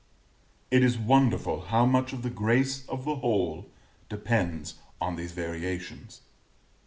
It is wonderful how much of the grace of the whole depends on these variations.